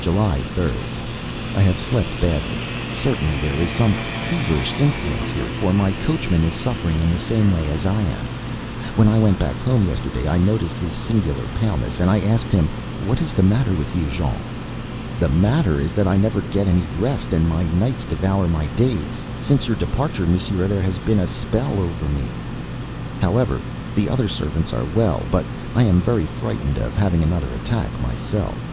July 3d. I have slept badly; certainly there is some feverish influence here, for my coachman is suffering in the same way as I am. When I went back home yesterday, I noticed his singular paleness, and I asked him: "What is the matter with you, Jean?" "The matter is that I never get any rest, and my nights devour my days. Since your departure, monsieur, there has been a spell over me." However, the other servants are all well, but I am very frightened of having another attack, myself.